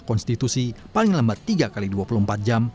pertanyaan dari mahkamah konstitusi paling lembat tiga x dua puluh empat jam